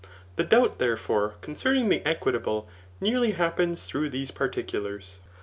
The doubt, therefore, concerning the equitable, nearly Iu^)peas through these particulars.